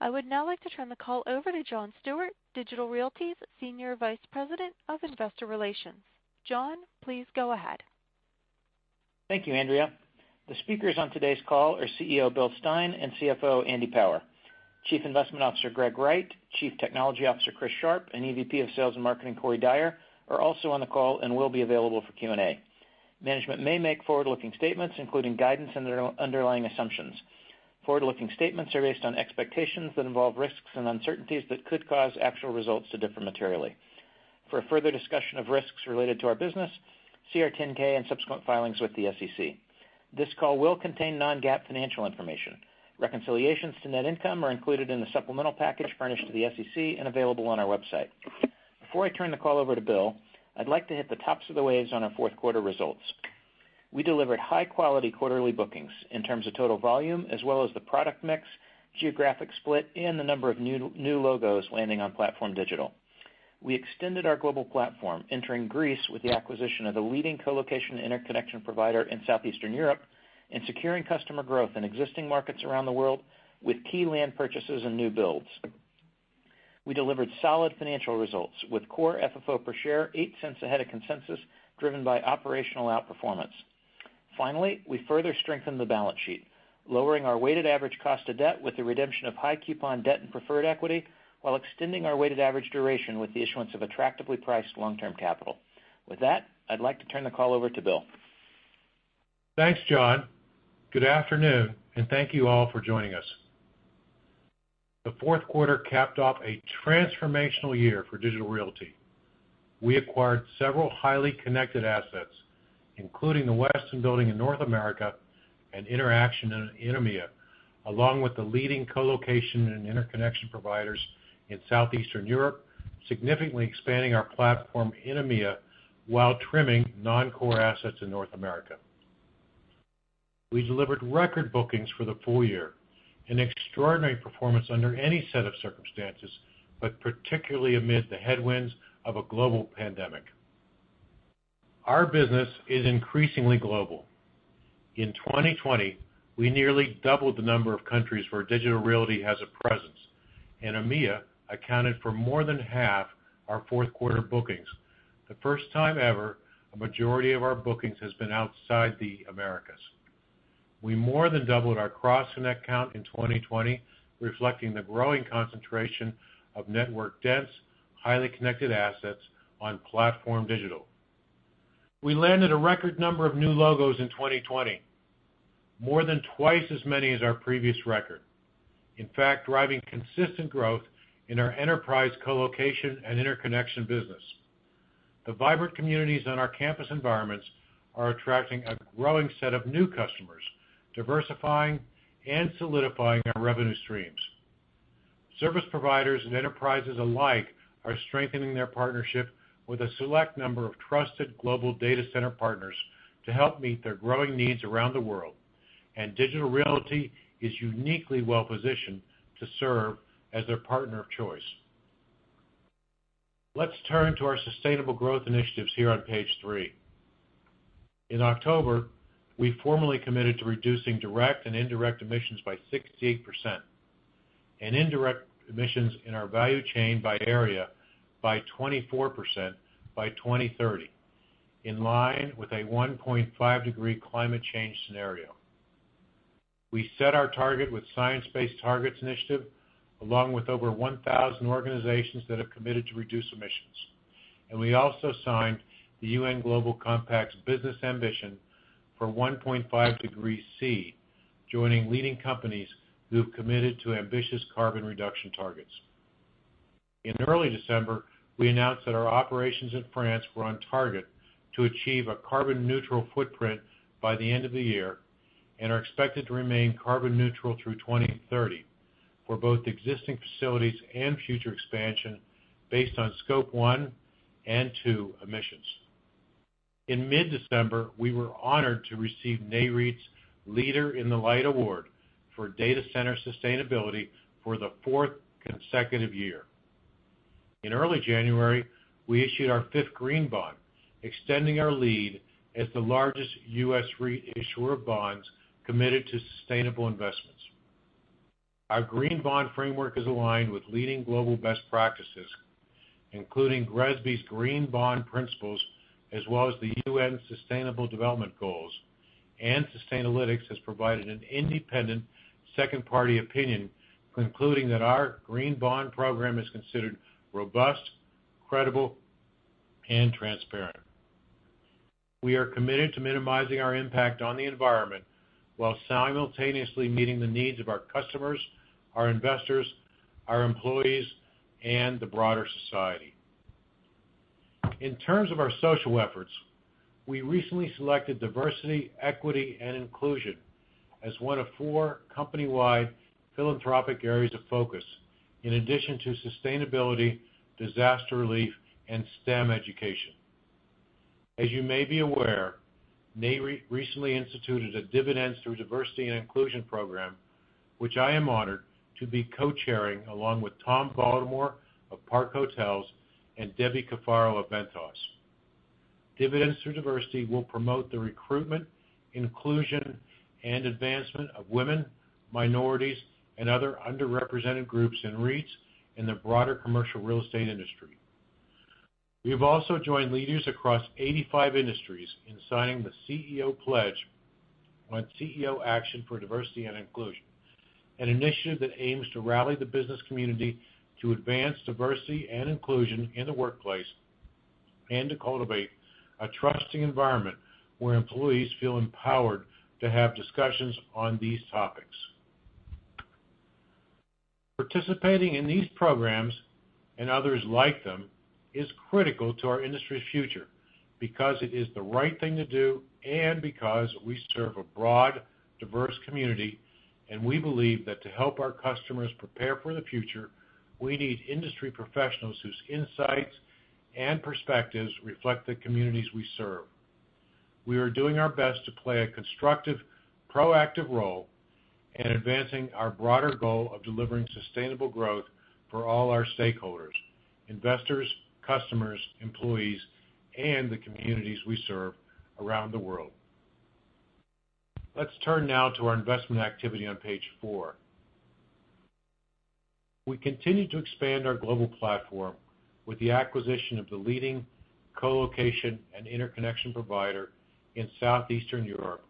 I would now like to turn the call over to John Stewart, Digital Realty's Senior Vice President of Investor Relations. John, please go ahead. Thank you, Andrea. The speakers on today's call are CEO, Bill Stein and CFO, Andy Power. Chief Investment Officer, Greg Wright, Chief Technology Officer, Chris Sharp, and EVP of Sales and Marketing, Corey Dyer, are also on the call and will be available for Q&A. Management may make forward-looking statements, including guidance and their underlying assumptions. Forward-looking statements are based on expectations that involve risks and uncertainties that could cause actual results to differ materially. For a further discussion of risks related to our business, see our 10-K and subsequent filings with the SEC. This call will contain non-GAAP financial information. Reconciliations to net income are included in the supplemental package furnished to the SEC and available on our website. Before I turn the call over to Bill, I'd like to hit the tops of the waves on our fourth quarter results. We delivered high quality quarterly bookings in terms of total volume, as well as the product mix, geographic split, and the number of new logos landing on PlatformDIGITAL. We extended our global platform, entering Greece with the acquisition of the leading colocation interconnection provider in Southeastern Europe, and securing customer growth in existing markets around the world with key land purchases and new builds. We delivered solid financial results with core FFO per share $0.08 ahead of consensus, driven by operational outperformance. Finally, we further strengthened the balance sheet, lowering our weighted average cost of debt with the redemption of high coupon debt and preferred equity, while extending our weighted average duration with the issuance of attractively priced long-term capital. With that, I'd like to turn the call over to Bill. Thanks, John. Good afternoon, and thank you all for joining us. The fourth quarter capped off a transformational year for Digital Realty. We acquired several highly connected assets, including The Westin Building in North America and Interxion in EMEA, along with the leading colocation and interconnection providers in Southeastern Europe, significantly expanding our platform in EMEA while trimming non-core assets in North America. We delivered record bookings for the full year, an extraordinary performance under any set of circumstances, but particularly amid the headwinds of a global pandemic. Our business is increasingly global. In 2020, we nearly doubled the number of countries where Digital Realty has a presence, and EMEA accounted for more than half our fourth quarter bookings. The first time ever, a majority of our bookings has been outside the Americas. We more than doubled our cross-connect count in 2020, reflecting the growing concentration of network dense, highly connected assets on PlatformDIGITAL. We landed a record number of new logos in 2020, more than twice as many as our previous record, in fact, driving consistent growth in our enterprise colocation and interconnection business. The vibrant communities on our campus environments are attracting a growing set of new customers, diversifying and solidifying our revenue streams. Service providers and enterprises alike are strengthening their partnership with a select number of trusted global data center partners to help meet their growing needs around the world. Digital Realty is uniquely well-positioned to serve as their partner of choice. Let's turn to our sustainable growth initiatives here on page three. In October, we formally committed to reducing direct and indirect emissions by 68%, and indirect emissions in our value chain by area by 24% by 2030, in line with a 1.5 degree climate change scenario. We set our target with Science Based Targets initiative, along with over 1,000 organizations that have committed to reduce emissions. We also signed the UN Global Compact's business ambition for 1.5 degree C, joining leading companies who have committed to ambitious carbon reduction targets. In early December, we announced that our operations in France were on target to achieve a carbon neutral footprint by the end of the year, and are expected to remain carbon neutral through 2030 for both existing facilities and future expansion based on Scope 1 and 2 emissions. In mid-December, we were honored to receive Nareit's Leader in the Light award for data center sustainability for the fourth consecutive year. In early January, we issued our fifth green bond, extending our lead as the largest U.S. REIT issuer of bonds committed to sustainable investments. Our green bond framework is aligned with leading global best practices, including GRESB's green bond principles, as well as the UN Sustainable Development Goals, and Sustainalytics has provided an independent second party opinion, concluding that our green bond program is considered robust, credible, and transparent. We are committed to minimizing our impact on the environment while simultaneously meeting the needs of our customers, our investors, our employees, and the broader society. In terms of our social efforts, we recently selected diversity, equity, and inclusion as one of four company-wide philanthropic areas of focus, in addition to sustainability, disaster relief, and STEM education. As you may be aware, Nareit recently instituted a Dividends Through Diversity and Inclusion program, which I am honored to be co-chairing along with Tom Baltimore of Park Hotels and Debbie Cafaro of Ventas. Dividends Through Diversity will promote the recruitment, inclusion, and advancement of women, minorities, and other underrepresented groups in REITs in the broader commercial real estate industry. We have also joined leaders across 85 industries in signing the CEO pledge on CEO Action for Diversity and Inclusion, an initiative that aims to rally the business community to advance diversity and inclusion in the workplace and to cultivate a trusting environment where employees feel empowered to have discussions on these topics. Participating in these programs and others like them is critical to our industry's future because it is the right thing to do and because we serve a broad, diverse community, and we believe that to help our customers prepare for the future, we need industry professionals whose insights and perspectives reflect the communities we serve. We are doing our best to play a constructive, proactive role in advancing our broader goal of delivering sustainable growth for all our stakeholders, investors, customers, employees, and the communities we serve around the world. Let's turn now to our investment activity on page four. We continue to expand our global platform with the acquisition of the leading colocation and interconnection provider in Southeastern Europe,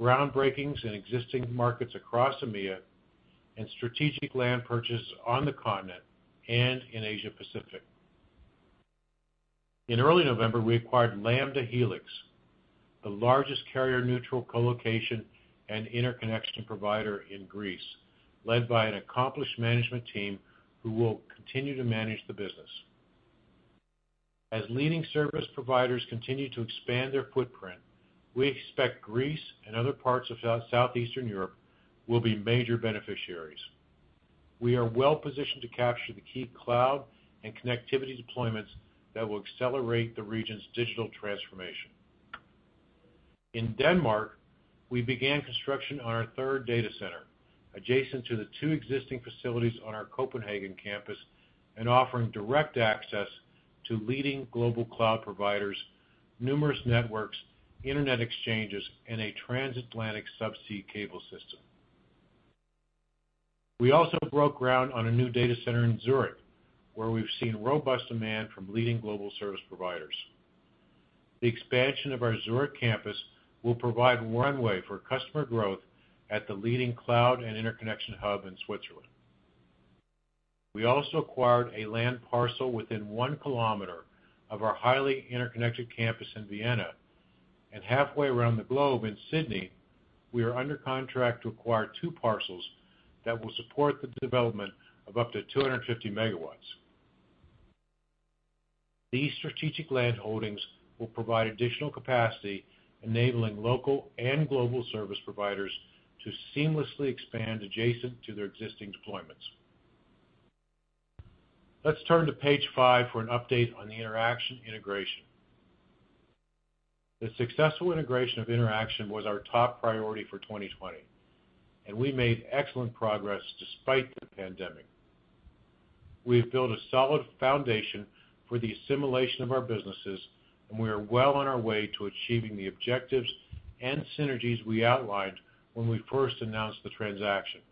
groundbreakings in existing markets across EMEA, and strategic land purchases on the continent and in Asia Pacific. In early November, we acquired Lamda Hellix, the largest carrier-neutral colocation and interconnection provider in Greece, led by an accomplished management team who will continue to manage the business. As leading service providers continue to expand their footprint, we expect Greece and other parts of Southeastern Europe will be major beneficiaries. We are well positioned to capture the key cloud and connectivity deployments that will accelerate the region's digital transformation. In Denmark, we began construction on our third data center, adjacent to the two existing facilities on our Copenhagen campus and offering direct access to leading global cloud providers, numerous networks, internet exchanges, and a transatlantic subsea cable system. We also broke ground on a new data center in Zurich, where we've seen robust demand from leading global service providers. The expansion of our Zurich campus will provide runway for customer growth at the leading cloud and interconnection hub in Switzerland. We also acquired a land parcel within 1 km of our highly interconnected campus in Vienna. Halfway around the globe in Sydney, we are under contract to acquire two parcels that will support the development of up to 250 MW. These strategic landholdings will provide additional capacity, enabling local and global service providers to seamlessly expand adjacent to their existing deployments. Let's turn to page five for an update on the Interxion integration. The successful integration of Interxion was our top priority for 2020, and we made excellent progress despite the pandemic. We have built a solid foundation for the assimilation of our businesses, and we are well on our way to achieving the objectives and synergies we outlined when we first announced the transaction.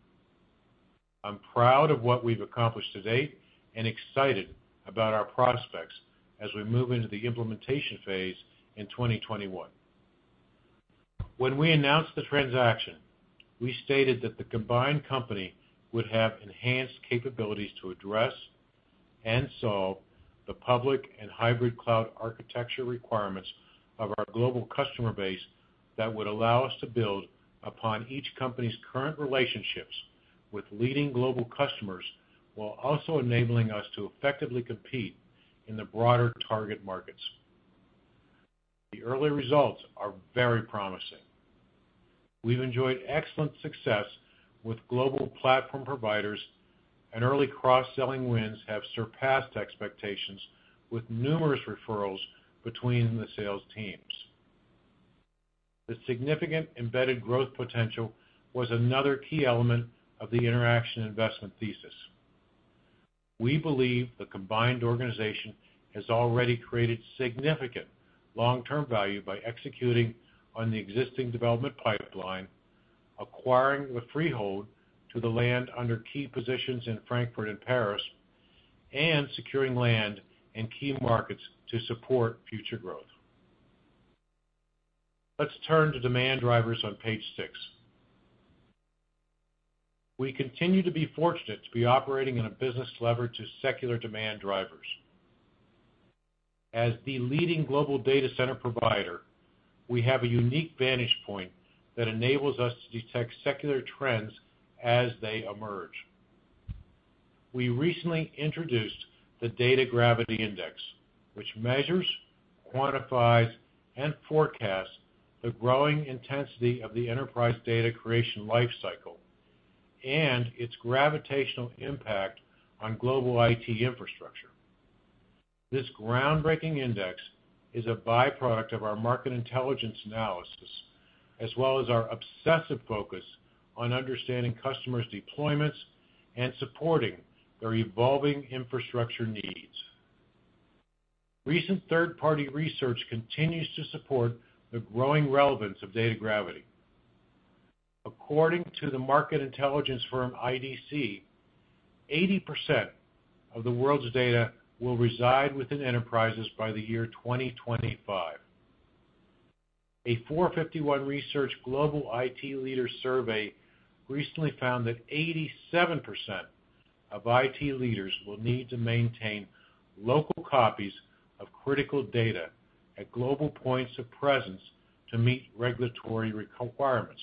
I'm proud of what we've accomplished to date and excited about our prospects as we move into the implementation phase in 2021. When we announced the transaction, we stated that the combined company would have enhanced capabilities to address and solve the public and hybrid cloud architecture requirements of our global customer base that would allow us to build upon each company's current relationships with leading global customers, while also enabling us to effectively compete in the broader target markets. The early results are very promising. We've enjoyed excellent success with global platform providers, and early cross-selling wins have surpassed expectations with numerous referrals between the sales teams. The significant embedded growth potential was another key element of the Interxion investment thesis. We believe the combined organization has already created significant long-term value by executing on the existing development pipeline, acquiring the freehold to the land under key positions in Frankfurt and Paris, and securing land in key markets to support future growth. Let's turn to demand drivers on page six. We continue to be fortunate to be operating in a business levered to secular demand drivers. As the leading global data center provider, we have a unique vantage point that enables us to detect secular trends as they emerge. We recently introduced the Data Gravity Index, which measures, quantifies, and forecasts the growing intensity of the enterprise data creation life cycle and its gravitational impact on global IT infrastructure. This groundbreaking index is a byproduct of our market intelligence analysis, as well as our obsessive focus on understanding customers' deployments and supporting their evolving infrastructure needs. Recent third-party research continues to support the growing relevance of data gravity. According to the market intelligence firm IDC, 80% of the world's data will reside within enterprises by the year 2025. A 451 Research global IT leader survey recently found that 87% of IT leaders will need to maintain local copies of critical data at global points of presence to meet regulatory requirements.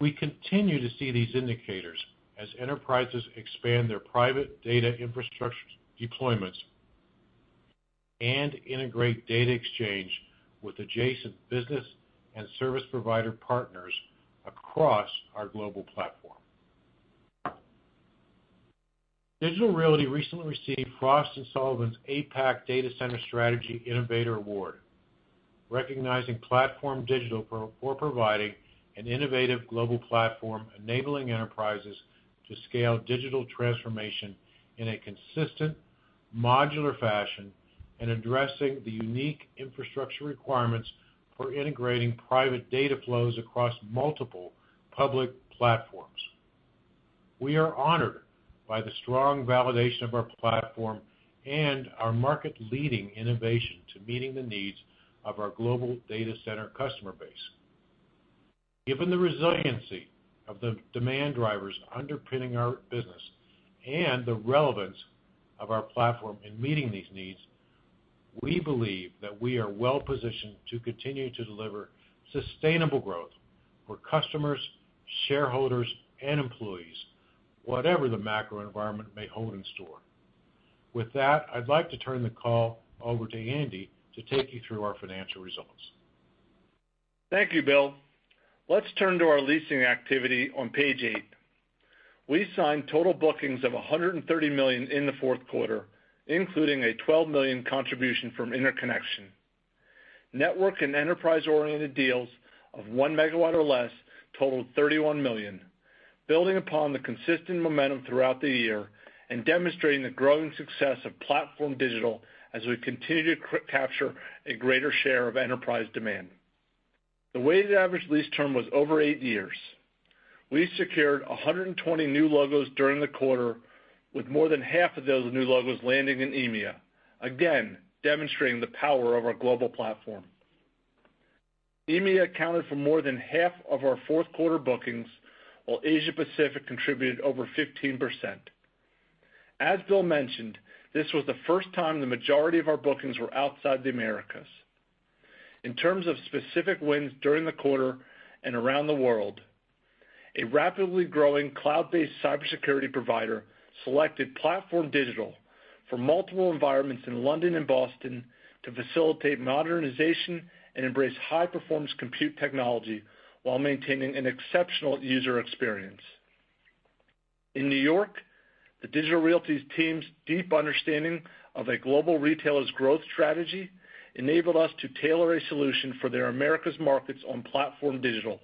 We continue to see these indicators as enterprises expand their private data infrastructure deployments and integrate data exchange with adjacent business and service provider partners across our global platform. Digital Realty recently received Frost & Sullivan's APAC Data Center Strategy Innovator Award, recognizing PlatformDIGITAL for providing an innovative global platform enabling enterprises to scale digital transformation in a consistent, modular fashion and addressing the unique infrastructure requirements for integrating private data flows across multiple public platforms. We are honored by the strong validation of our platform and our market-leading innovation to meeting the needs of our global data center customer base. Given the resiliency of the demand drivers underpinning our business and the relevance of our platform in meeting these needs, we believe that we are well positioned to continue to deliver sustainable growth for customers, shareholders, and employees, whatever the macro environment may hold in store. With that, I'd like to turn the call over to Andy to take you through our financial results. Thank you, Bill. Let's turn to our leasing activity on page eight. We signed total bookings of $130 million in the fourth quarter, including a $12 million contribution from interconnection. Network and enterprise-oriented deals of 1 MW or less totaled $31 million, building upon the consistent momentum throughout the year and demonstrating the growing success of PlatformDIGITAL as we continue to capture a greater share of enterprise demand. The weighted average lease term was over eight years. We secured 120 new logos during the quarter, with more than half of those new logos landing in EMEA, again demonstrating the power of our global platform. EMEA accounted for more than half of our fourth quarter bookings, while Asia Pacific contributed over 15%. As Bill mentioned, this was the first time the majority of our bookings were outside the Americas. In terms of specific wins during the quarter and around the world, a rapidly growing cloud-based cybersecurity provider selected PlatformDIGITAL for multiple environments in London and Boston to facilitate modernization and embrace high-performance compute technology while maintaining an exceptional user experience. In New York, the Digital Realty team's deep understanding of a global retailer's growth strategy enabled us to tailor a solution for their Americas markets on PlatformDIGITAL.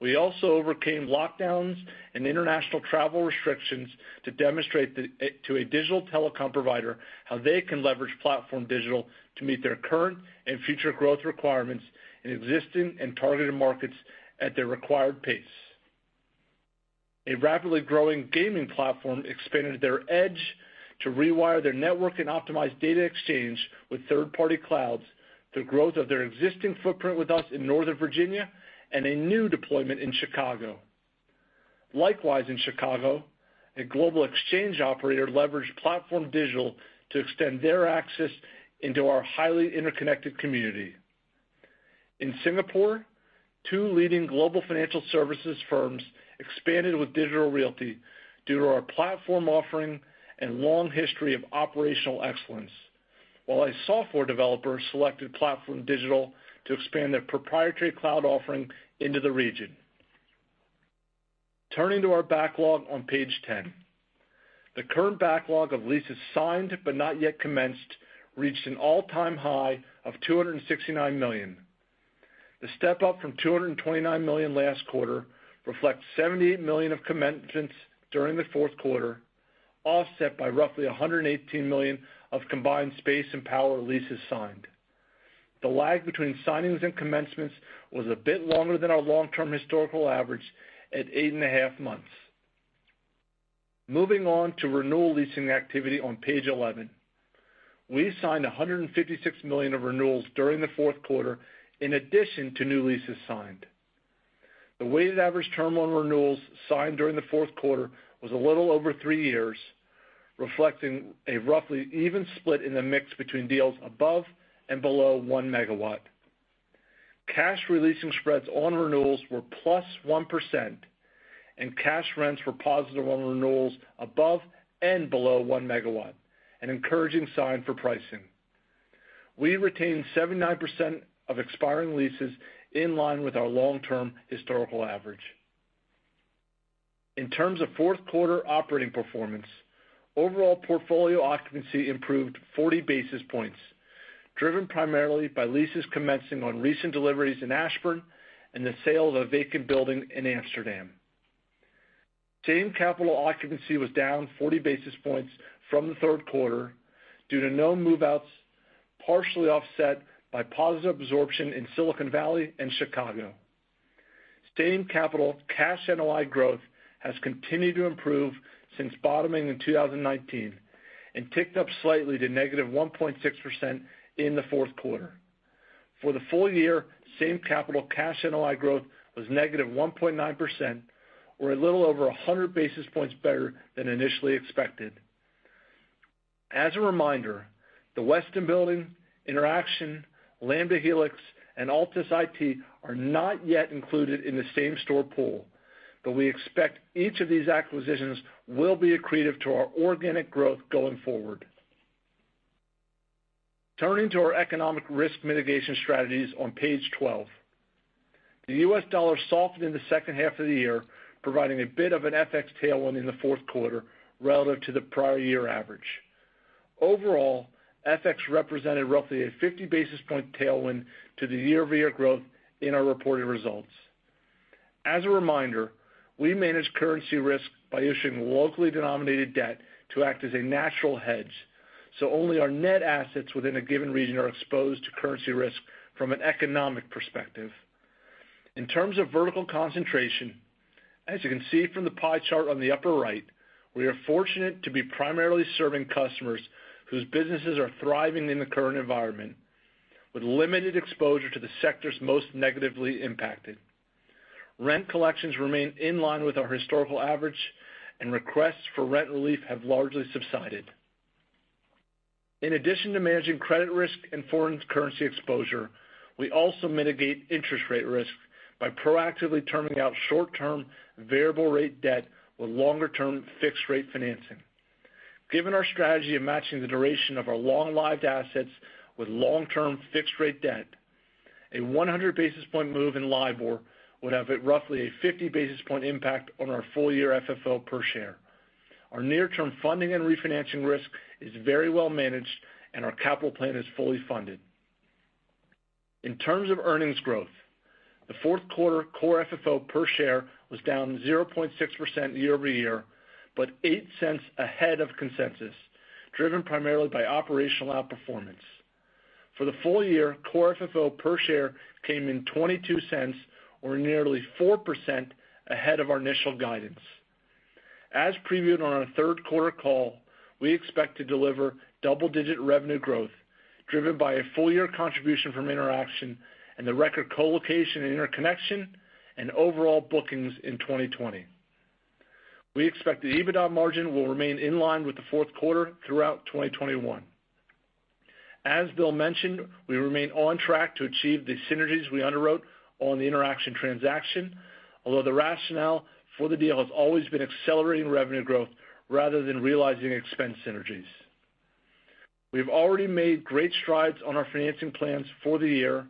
We also overcame lockdowns and international travel restrictions to demonstrate to a digital telecom provider how they can leverage PlatformDIGITAL to meet their current and future growth requirements in existing and targeted markets at their required pace. A rapidly growing gaming platform expanded their edge to rewire their network and optimize data exchange with third-party clouds through growth of their existing footprint with us in Northern Virginia and a new deployment in Chicago. Likewise, in Chicago, a global exchange operator leveraged PlatformDIGITAL to extend their access into our highly interconnected community. In Singapore, two leading global financial services firms expanded with Digital Realty due to our platform offering and long history of operational excellence, while a software developer selected PlatformDIGITAL to expand their proprietary cloud offering into the region. Turning to our backlog on page 10. The current backlog of leases signed but not yet commenced reached an all-time high of $269 million. The step up from $229 million last quarter reflects $78 million of commencements during the fourth quarter, offset by roughly $118 million of combined space and power leases signed. The lag between signings and commencements was a bit longer than our long-term historical average at eight and a half months. Moving on to renewal leasing activity on page 11. We signed $156 million of renewals during the fourth quarter in addition to new leases signed. The weighted average term on renewals signed during the fourth quarter was a little over three years, reflecting a roughly even split in the mix between deals above and below 1 MW. Cash re-leasing spreads on renewals were +1%, and cash rents were positive on renewals above and below 1 MW, an encouraging sign for pricing. We retained 79% of expiring leases in line with our long-term historical average. In terms of fourth quarter operating performance, overall portfolio occupancy improved 40 basis points, driven primarily by leases commencing on recent deliveries in Ashburn and the sale of a vacant building in Amsterdam. Same-capital occupancy was down 40 basis points from the third quarter due to no move-outs, partially offset by positive absorption in Silicon Valley and Chicago. Same-capital cash NOI growth has continued to improve since bottoming in 2019 and ticked up slightly to negative 1.6% in the fourth quarter. For the full year, same-capital cash NOI growth was negative 1.9%, or a little over 100 basis points better than initially expected. As a reminder, the Westin Building, Interxion, Lamda Hellix, and Altus IT are not yet included in the same-store pool, but we expect each of these acquisitions will be accretive to our organic growth going forward. Turning to our economic risk mitigation strategies on page 12. The US dollar softened in the second half of the year, providing a bit of an FX tailwind in the fourth quarter relative to the prior year average. Overall, FX represented roughly a 50 basis point tailwind to the year-over-year growth in our reported results. As a reminder, we manage currency risk by issuing locally denominated debt to act as a natural hedge, so only our net assets within a given region are exposed to currency risk from an economic perspective. In terms of vertical concentration, as you can see from the pie chart on the upper right, we are fortunate to be primarily serving customers whose businesses are thriving in the current environment, with limited exposure to the sectors most negatively impacted. Rent collections remain in line with our historical average, and requests for rent relief have largely subsided. In addition to managing credit risk and foreign currency exposure, we also mitigate interest rate risk by proactively turning out short-term variable rate debt with longer-term fixed rate financing. Given our strategy of matching the duration of our long-lived assets with long-term fixed rate debt, a 100 basis point move in LIBOR would have roughly a 50 basis point impact on our full year FFO per share. Our near-term funding and refinancing risk is very well managed, and our capital plan is fully funded. In terms of earnings growth, the fourth quarter core FFO per share was down 0.6% year-over-year. $0.08 Ahead of consensus, driven primarily by operational outperformance. For the full year, core FFO per share came in $0.22 or nearly 4% ahead of our initial guidance. As previewed on our third quarter call, we expect to deliver double-digit revenue growth driven by a full-year contribution from Interxion and the record colocation and interconnection and overall bookings in 2020. We expect the EBITDA margin will remain in line with the fourth quarter throughout 2021. As Bill mentioned, we remain on track to achieve the synergies we underwrote on the Interxion transaction, although the rationale for the deal has always been accelerating revenue growth rather than realizing expense synergies. We've already made great strides on our financing plans for the year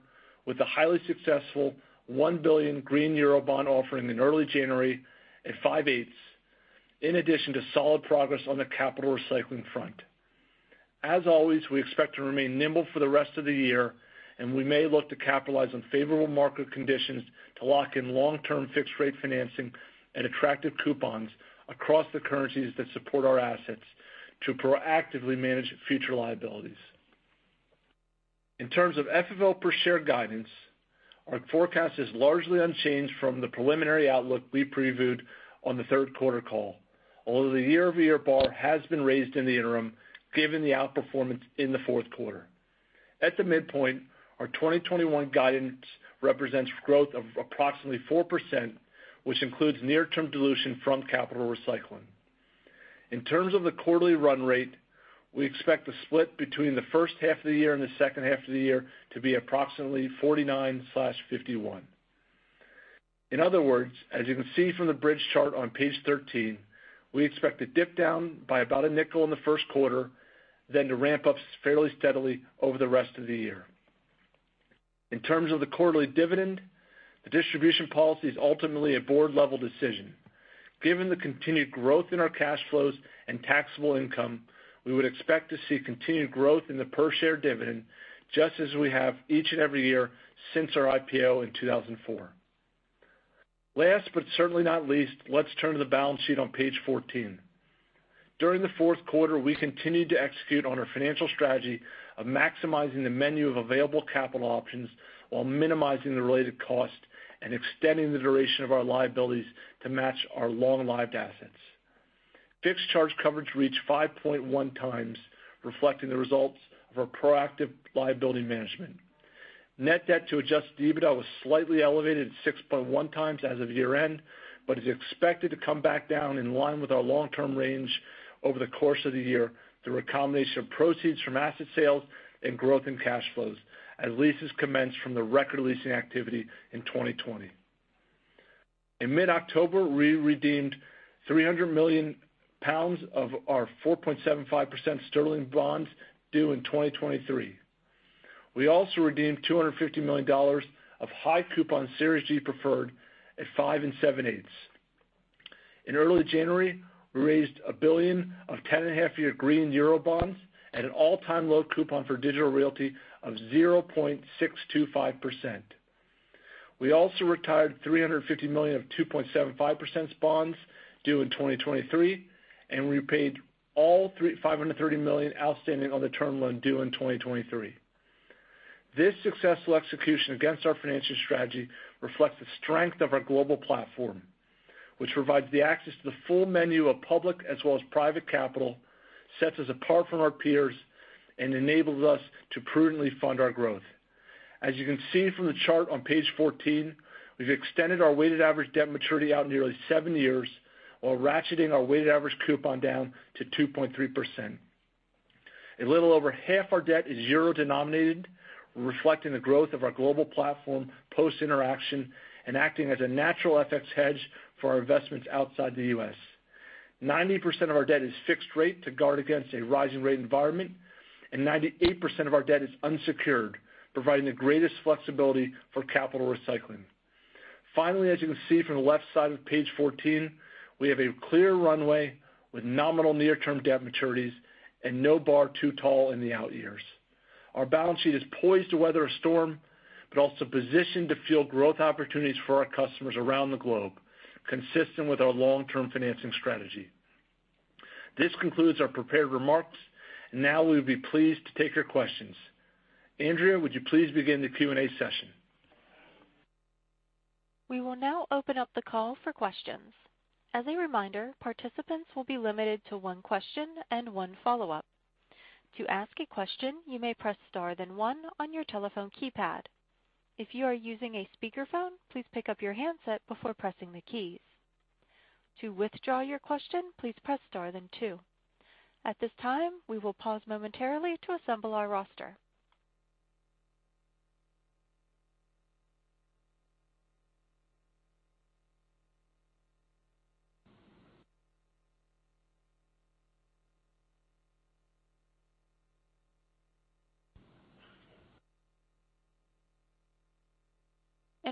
with the highly successful $1 billion green eurobond offering in early January at five-eighths, in addition to solid progress on the capital recycling front. As always, we expect to remain nimble for the rest of the year. We may look to capitalize on favorable market conditions to lock in long-term fixed rate financing and attractive coupons across the currencies that support our assets to proactively manage future liabilities. In terms of FFO per share guidance, our forecast is largely unchanged from the preliminary outlook we previewed on the third quarter call, although the year-over-year bar has been raised in the interim given the outperformance in the fourth quarter. At the midpoint, our 2021 guidance represents growth of approximately 4%, which includes near-term dilution from capital recycling. In terms of the quarterly run rate, we expect the split between the first half of the year and the second half of the year to be approximately 49/51. In other words, as you can see from the bridge chart on page 13, we expect to dip down by about $0.05 in the first quarter, then to ramp up fairly steadily over the rest of the year. In terms of the quarterly dividend, the distribution policy is ultimately a board-level decision. Given the continued growth in our cash flows and taxable income, we would expect to see continued growth in the per share dividend just as we have each and every year since our IPO in 2004. Last but certainly not least, let's turn to the balance sheet on page 14. During the fourth quarter, we continued to execute on our financial strategy of maximizing the menu of available capital options while minimizing the related cost and extending the duration of our liabilities to match our long-lived assets. Fixed charge coverage reached 5.1 times, reflecting the results of our proactive liability management. Net debt to adjusted EBITDA was slightly elevated at 6.1 times as of year-end, is expected to come back down in line with our long-term range over the course of the year through a combination of proceeds from asset sales and growth in cash flows as leases commence from the record leasing activity in 2020. In mid-October, we redeemed 300 million pounds of our 4.75% sterling bonds due in 2023. We also redeemed $250 million of high-coupon Series G preferred at five and seven-eighths. In early January, we raised 1 billion of 10-and-a-half year green euro bonds at an all-time low coupon for Digital Realty of 0.625%. We also retired $350 million of 2.75% bonds due in 2023, we paid all $530 million outstanding on the term loan due in 2023. This successful execution against our financial strategy reflects the strength of our global platform, which provides the access to the full menu of public as well as private capital, sets us apart from our peers, and enables us to prudently fund our growth. As you can see from the chart on page 14, we've extended our weighted average debt maturity out nearly seven years while ratcheting our weighted average coupon down to 2.3%. A little over half our debt is euro-denominated, reflecting the growth of our global platform post-Interxion and acting as a natural FX hedge for our investments outside the U.S. 90% of our debt is fixed rate to guard against a rising rate environment, and 98% of our debt is unsecured, providing the greatest flexibility for capital recycling. As you can see from the left side of page 14, we have a clear runway with nominal near-term debt maturities and no bar too tall in the out years. Our balance sheet is poised to weather a storm, but also positioned to fuel growth opportunities for our customers around the globe, consistent with our long-term financing strategy. This concludes our prepared remarks. Now we would be pleased to take your questions. Andrea, would you please begin the Q&A session? We will now open up the call for questions. As a reminder, participants will be limited to one question and one follow-up. To ask a question, you may press star then one on your telephone keypad. If you are using a speakerphone, please pick up your handset before pressing the keys. To withdraw your question, please press star then two. At this time, we will pause momentarily to assemble our roster.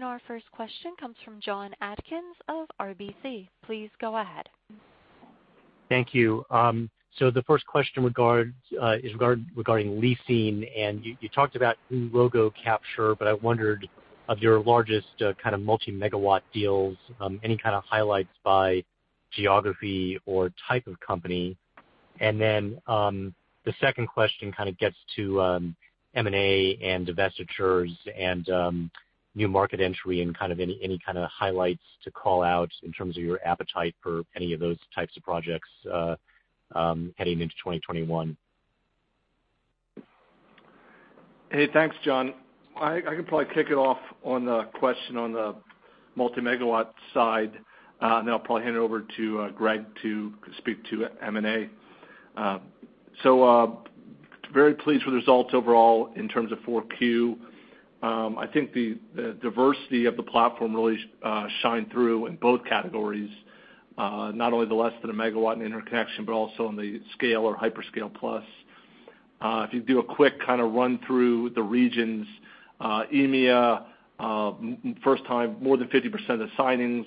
Our first question comes from Jonathan Atkin of RBC. Please go ahead. Thank you. The first question is regarding leasing, and you talked about new logo capture, but I wondered of your largest kind of multi-megawatt deals, any kind of highlights by geography or type of company? Then, the second question kind of gets to M&A and divestitures and new market entry and any kind of highlights to call out in terms of your appetite for any of those types of projects heading into 2021. Hey, thanks, John. I can probably kick it off on the question on the multi-megawatt side, and then I'll probably hand it over to Greg to speak to M&A. Very pleased with the results overall in terms of 4Q. I think the diversity of the platform really shined through in both categories. Not only the less than a megawatt in interconnection, but also in the scale or hyperscale plus. If you do a quick kind of run through the regions, EMEA, first time more than 50% of the signings.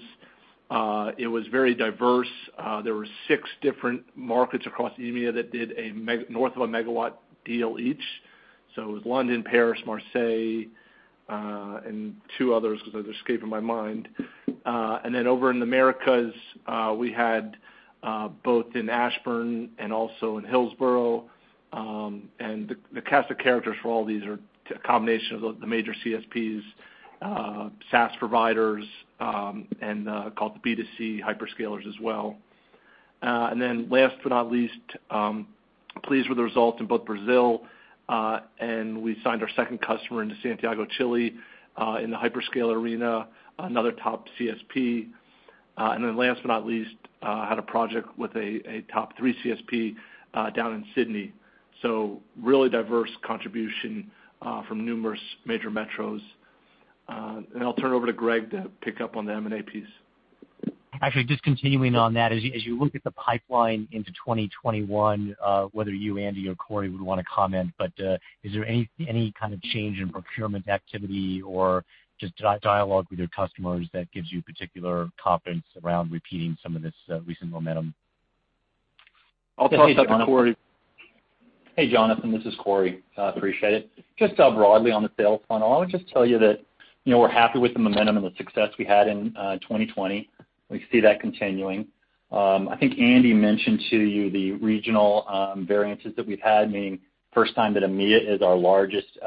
It was very diverse. There were six different markets across EMEA that did a north of a megawatt deal each. It was London, Paris, Marseille, and two others that are escaping my mind. Over in the Americas, we had both in Ashburn and also in Hillsboro. The cast of characters for all these are a combination of the major CSPs, SaaS providers, and call it the B2C hyperscalers as well. Last but not least, pleased with the results in both Brazil, and we signed our second customer into Santiago, Chile, in the hyperscale arena, another top CSP. Last but not least, had a project with a top 3 CSP down in Sydney. Really diverse contribution from numerous major metros. I'll turn it over to Greg to pick up on the M&A piece. Actually, just continuing on that. As you look at the pipeline into 2021, whether you, Andy, or Corey would want to comment, but is there any kind of change in procurement activity or just dialogue with your customers that gives you particular confidence around repeating some of this recent momentum? I'll toss it to Corey. Hey, Jonathan. This is Corey. Appreciate it. Just broadly on the sales funnel, I would just tell you that we're happy with the momentum and the success we had in 2020. We see that continuing. I think Andy mentioned to you the regional variances that we've had, meaning first time that EMEA is our largest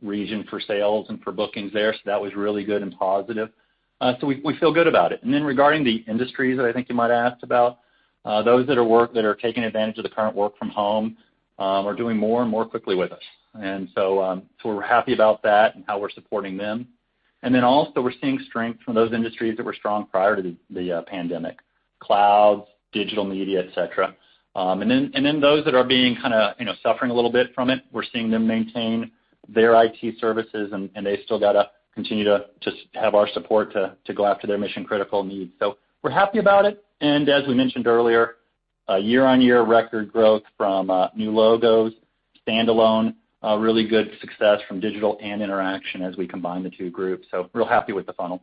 region for sales and for bookings there. That was really good and positive. We feel good about it. Regarding the industries that I think you might ask about, those that are taking advantage of the current work from home are doing more and more quickly with us. We're happy about that and how we're supporting them. Also, we're seeing strength from those industries that were strong prior to the pandemic, cloud, digital media, etc. Those that are kind of suffering a little bit from it, we're seeing them maintain their IT services, and they still got to continue to have our support to go after their mission-critical needs. We're happy about it. As we mentioned earlier, year-on-year record growth from new logos, standalone, really good success from Digital Realty and Interxion as we combine the two groups. Really happy with the funnel.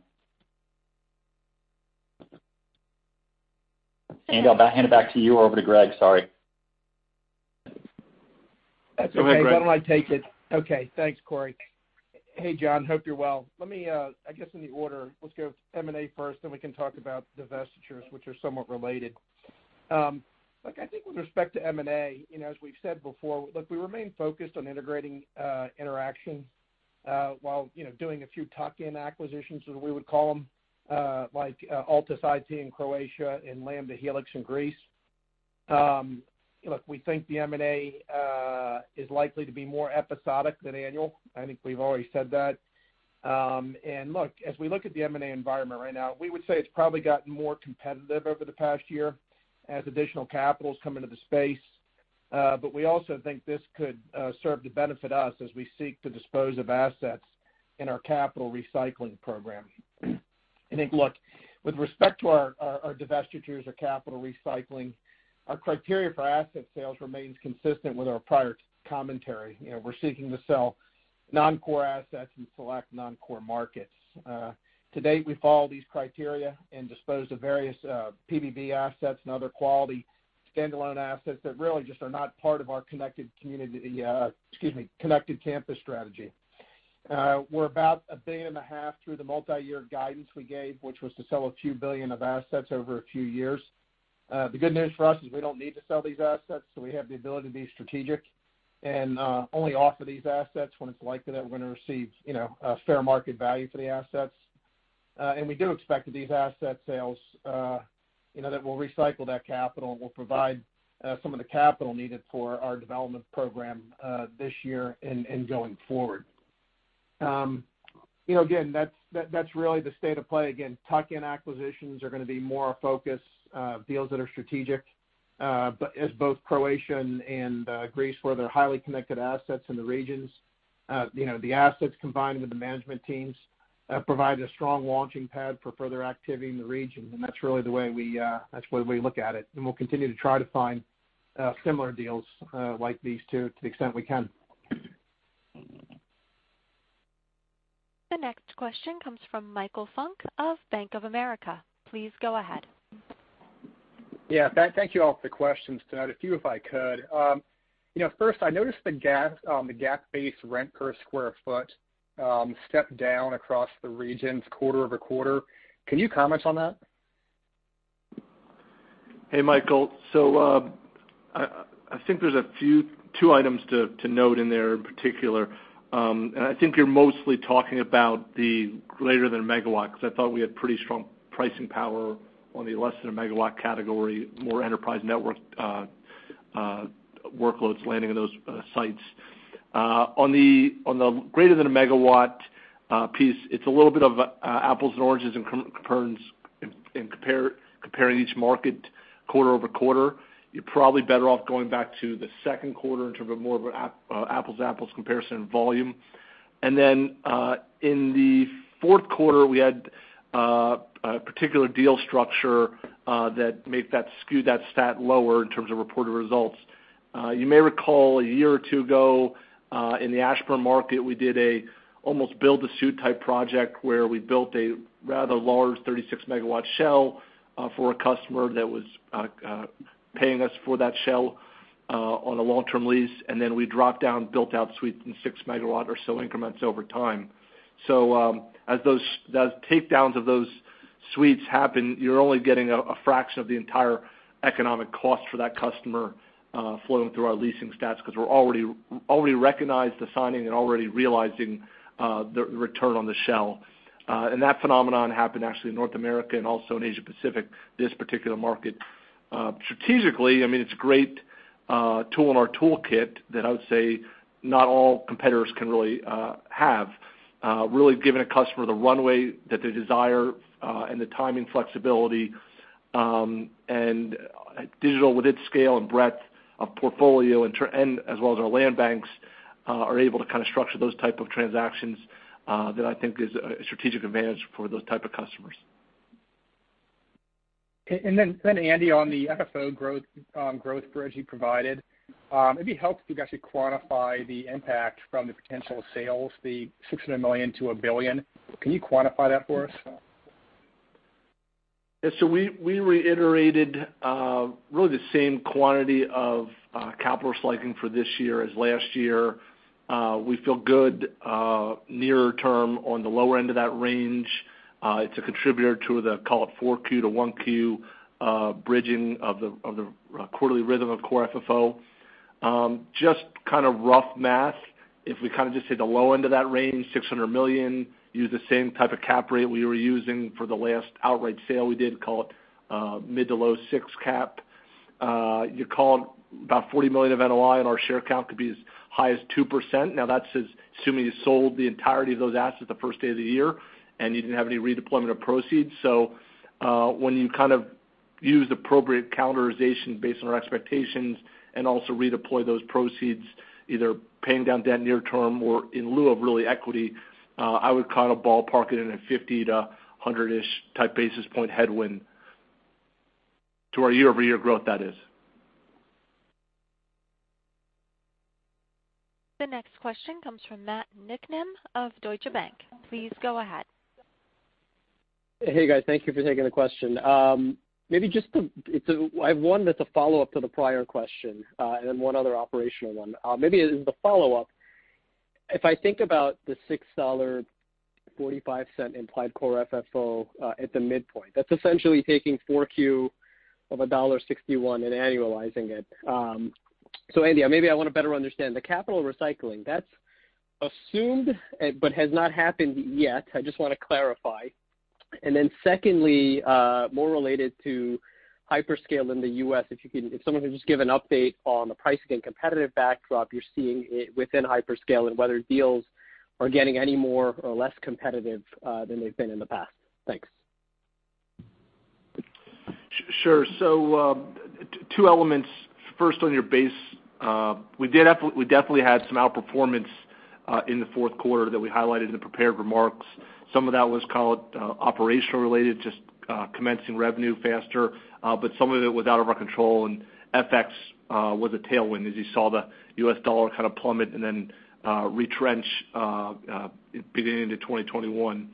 Andy, I'll hand it back to you or over to Greg. Sorry. That's okay. Go ahead, Greg. Why don't I take it? Okay. Thanks, Corey. Hey, John. Hope you're well. I guess in the order, let's go M&A first, then we can talk about divestitures, which are somewhat related. Look, I think with respect to M&A, as we've said before, look, we remain focused on integrating Interxion, while doing a few tuck-in acquisitions, as we would call them, like Altus IT in Croatia and Lamda Hellix in Greece. Look, we think the M&A is likely to be more episodic than annual. I think we've already said that. Look, as we look at the M&A environment right now, we would say it's probably gotten more competitive over the past year as additional capital come into the space. We also think this could serve to benefit us as we seek to dispose of assets in our capital recycling program. I think, look, with respect to our divestitures or capital recycling, our criteria for asset sales remains consistent with our prior commentary. We're seeking to sell non-core assets in select non-core markets. To date, we follow these criteria and dispose of various PBB assets and other quality standalone assets that really just are not part of our connected campus strategy. We're about a billion and a half through the multi-year guidance we gave, which was to sell a few billion of assets over a few years. The good news for us is we don't need to sell these assets. We have the ability to be strategic and only offer these assets when it's likely that we're going to receive a fair market value for the assets. We do expect that these asset sales, that we'll recycle that capital and we'll provide some of the capital needed for our development program this year and going forward. Again, that's really the state of play. Again, tuck-in acquisitions are going to be more our focus, deals that are strategic, as both Croatia and Greece, where they're highly connected assets in the regions. The assets combined with the management teams provide a strong launching pad for further activity in the region, and that's really the way we look at it. We'll continue to try to find similar deals like these two to the extent we can. The next question comes from Michael Funk of Bank of America. Please go ahead. Yeah. Thank you all for the questions tonight. A few if I could. First, I noticed the GAAP-based rent per square foot stepped down across the regions quarter-over-quarter. Can you comment on that? Hey, Michael. I think there's two items to note in there in particular. I think you're mostly talking about the greater than a megawatt, because I thought we had pretty strong pricing power on the less than a megawatt category, more enterprise network workloads landing in those sites. On the greater than a megawatt piece, it's a little bit of apples and oranges and prunes in comparing each market quarter-over-quarter. You're probably better off going back to the second quarter in terms of a more of an apples comparison in volume. In the fourth quarter, we had a particular deal structure that skewed that stat lower in terms of reported results. You may recall a year or two ago, in the Ashburn market, we did an almost build-to-suit type project where we built a rather large 36 MW shell for a customer that was paying us for that shell on a long-term lease. We dropped down built-out suites in 6 MW or so increments over time. As takedowns of those suites happen, you're only getting a fraction of the entire economic cost for that customer flowing through our leasing stats because we're already recognized the signing and already realizing the return on the shell. That phenomenon happened actually in North America and also in Asia Pacific, this particular market. Strategically, it's a great tool in our toolkit that I would say not all competitors can really have, really giving a customer the runway that they desire, and the timing flexibility. Digital with its scale and breadth of portfolio as well as our land banks are able to structure those type of transactions, that I think is a strategic advantage for those type of customers. Andy, on the FFO growth bridge you provided, it'd be helpful if you could actually quantify the impact from the potential sales, the $600 million to $1 billion. Can you quantify that for us? Yeah. We reiterated really the same quantity of capital recycling for this year as last year. We feel good nearer term on the lower end of that range. It's a contributor to the, call it 4Q to 1Q bridging of the quarterly rhythm of core FFO. Just kind of rough math, if we just say the low end of that range, $600 million, use the same type of cap rate we were using for the last outright sale we did, call it mid to low six cap. You call it about $40 million of NOI on our share count could be as high as 2%. Now, that's assuming you sold the entirety of those assets the first day of the year and you didn't have any redeployment of proceeds. When you kind of use the appropriate calendarization based on our expectations and also redeploy those proceeds, either paying down debt near term or in lieu of really equity. I would kind of ballpark it in a 50-100-ish type basis point headwind to our year-over-year growth, that is. The next question comes from Matt Niknam of Deutsche Bank. Please go ahead. Hey, guys. Thank you for taking the question. I have one that's a follow-up to the prior question, and then one other operational one. Maybe as the follow-up, if I think about the $6.45 implied core FFO at the midpoint, that's essentially taking 4Q of $1.61 and annualizing it. Andy, maybe I want to better understand the capital recycling. That's assumed but has not happened yet. I just want to clarify. Secondly, more related to hyperscale in the U.S., if someone could just give an update on the pricing and competitive backdrop you're seeing within hyperscale and whether deals are getting any more or less competitive than they've been in the past. Thanks. Sure. Two elements. First, on your base. We definitely had some outperformance in the fourth quarter that we highlighted in the prepared remarks. Some of that was, call it, operational related, just commencing revenue faster. Some of it was out of our control, and FX was a tailwind, as you saw the US dollar kind of plummet and then retrench beginning into 2021.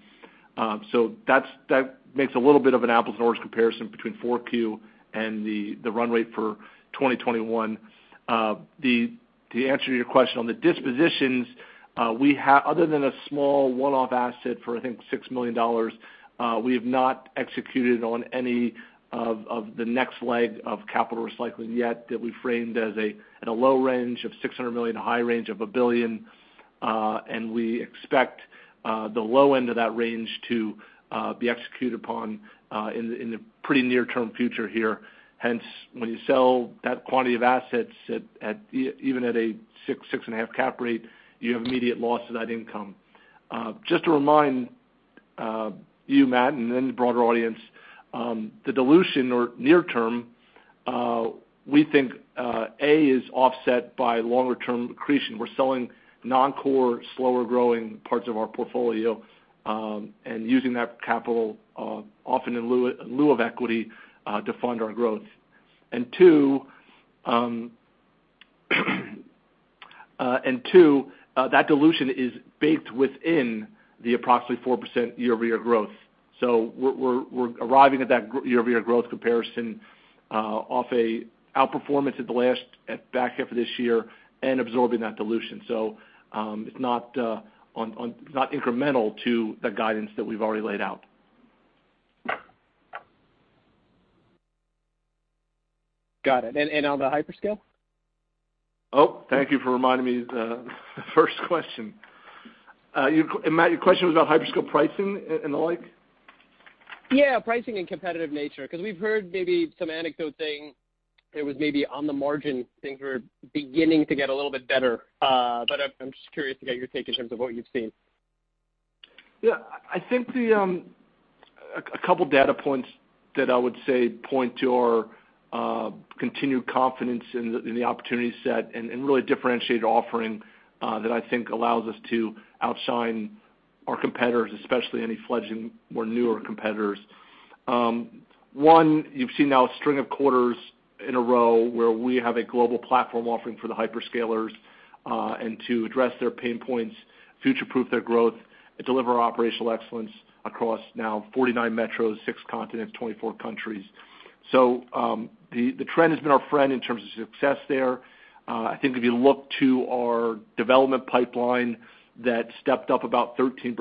That makes a little bit of an apples and oranges comparison between 4Q and the run rate for 2021. The answer to your question on the dispositions, other than a small one-off asset for, I think, $6 million, we have not executed on any of the next leg of capital recycling yet that we framed at a low range of $600 million to high range of $1 billion. We expect the low end of that range to be executed upon in the pretty near-term future here. When you sell that quantity of assets at even at a six and a half cap rate, you have immediate loss of that income. Just to remind you, Matt, and then the broader audience, the dilution or near term, we think, A, is offset by longer term accretion. We're selling non-core, slower growing parts of our portfolio, and using that capital often in lieu of equity to fund our growth. Two, that dilution is baked within the approximately 4% year-over-year growth. We're arriving at that year-over-year growth comparison off a outperformance at the last back half of this year and absorbing that dilution. It's not incremental to the guidance that we've already laid out. Got it. On the hyperscale? Oh, thank you for reminding me the first question. Matt, your question was about hyperscale pricing and the like? Yeah, pricing and competitive nature, because we've heard maybe some anecdote saying it was maybe on the margin, things were beginning to get a little bit better. I'm just curious to get your take in terms of what you've seen. I think a couple data points that I would say point to our continued confidence in the opportunity set and really differentiated offering that I think allows us to outshine our competitors, especially any fledgling or newer competitors. One, you've seen now a string of quarters in a row where we have a global platform offering for the hyperscalers, and to address their pain points, future-proof their growth, and deliver operational excellence across now 49 metros, six continents, 24 countries. The trend has been our friend in terms of success there. I think if you look to our development pipeline, that stepped up about 13%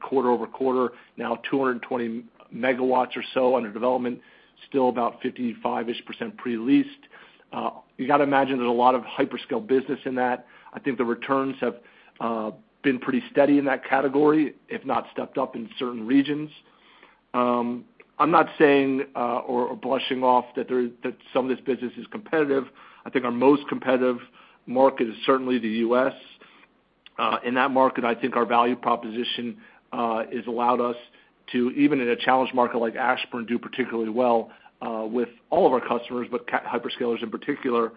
quarter-over-quarter, now 220 MW or so under development, still about 55%ish pre-leased. You got to imagine there's a lot of hyperscale business in that. I think the returns have been pretty steady in that category, if not stepped up in certain regions. I am not saying or brushing off that some of this business is competitive. I think our most competitive market is certainly the U.S. In that market, I think our value proposition has allowed us to, even in a challenged market like Ashburn, do particularly well with all of our customers, but hyperscalers in particular.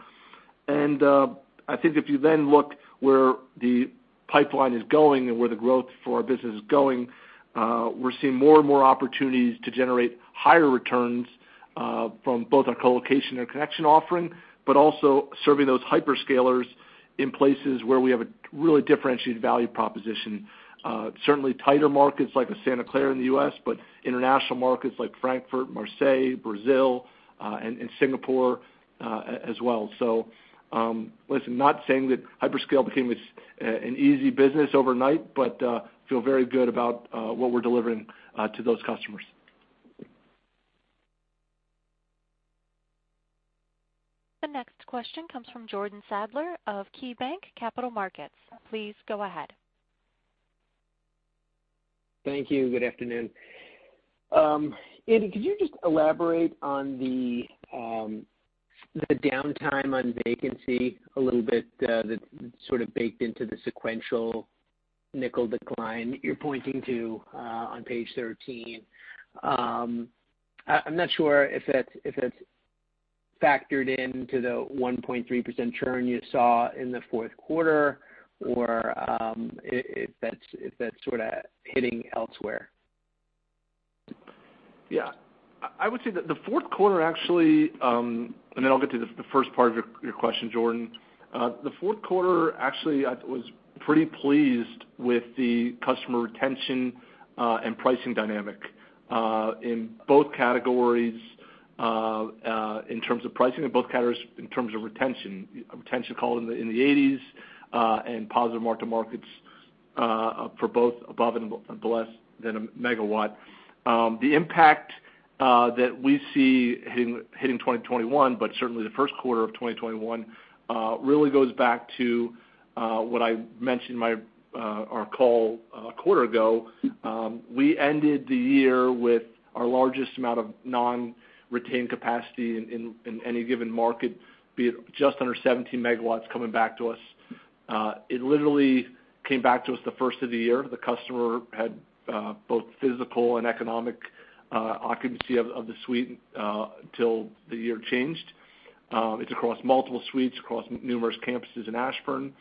I think if you then look where the pipeline is going and where the growth for our business is going, we are seeing more and more opportunities to generate higher returns from both our colocation and interconnection offering, also serving those hyperscalers in places where we have a really differentiated value proposition. Certainly tighter markets like a Santa Clara in the U.S., international markets like Frankfurt, Marseille, Brazil, and Singapore as well. Listen, not saying that hyperscale became an easy business overnight, but feel very good about what we're delivering to those customers. The next question comes from Jordan Sadler of KeyBanc Capital Markets. Please go ahead. Thank you. Good afternoon. Andy, could you just elaborate on the downtime on vacancy a little bit, that's sort of baked into the sequential NOI decline that you're pointing to on page 13. I'm not sure if that's factored into the 1.3% churn you saw in the fourth quarter, or if that's sort of hitting elsewhere. Yeah. I would say that the fourth quarter, actually. Then I'll get to the first part of your question, Jordan. The fourth quarter, actually, I was pretty pleased with the customer retention and pricing dynamic, in both categories in terms of pricing, and both categories in terms of retention. Retention call in the 80s, and positive mark-to-markets, for both above and less than a megawatt. The impact that we see hitting 2021, but certainly the first quarter of 2021, really goes back to what I mentioned our call a quarter ago. We ended the year with our largest amount of non-retained capacity in any given market, be it just under 17 megawatts coming back to us. It literally came back to us the first of the year. The customer had both physical and economic occupancy of the suite until the year changed. It's across multiple suites, across numerous campuses in Ashburn.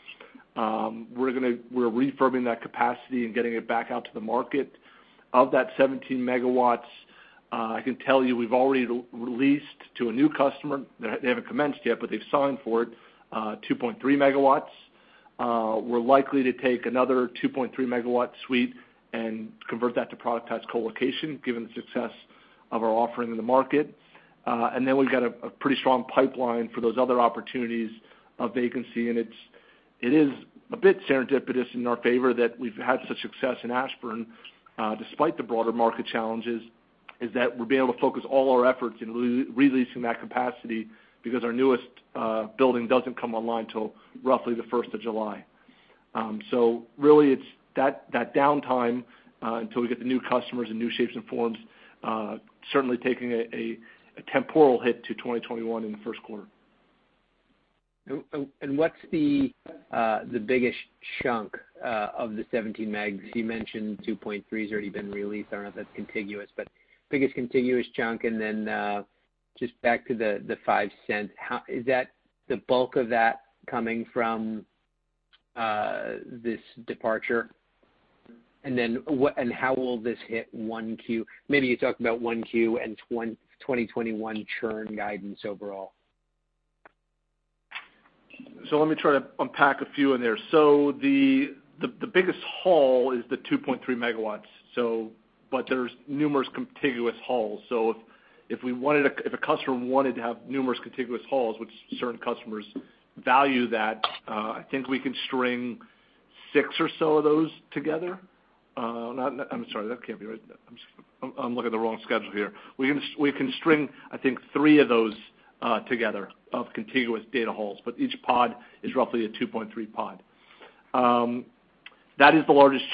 We're refurbing that capacity and getting it back out to the market. Of that 17 MW, I can tell you we've already leased to a new customer, they haven't commenced yet, but they've signed for it, 2.3 MW. We're likely to take another 2.3 MW suite and convert that to productized colocation, given the success of our offering in the market. We've got a pretty strong pipeline for those other opportunities of vacancy, and it is a bit serendipitous in our favor that we've had such success in Ashburn, despite the broader market challenges, is that we'll be able to focus all our efforts in re-leasing that capacity because our newest building doesn't come online until roughly the 1st of July. Really, it's that downtime until we get the new customers and new shapes and forms, certainly taking a temporal hit to 2021 in the first quarter. What's the biggest chunk of the 17 MW? You mentioned 2.3 has already been leased. I don't know if that's contiguous, but biggest contiguous chunk and then just back to the $0.05. Is the bulk of that coming from this departure? How will this hit 1Q? Maybe you talk about 1Q and 2021 churn guidance overall. Let me try to unpack a few in there. The biggest haul is the 2.3 MW, but there's numerous contiguous hauls. If a customer wanted to have numerous contiguous hauls, which certain customers value that, I think we can string six or so of those together. I'm sorry, that can't be right. I'm looking at the wrong schedule here. We can string, I think, three of those together of contiguous data halls, but each pod is roughly a 2.3 pod. That is the largest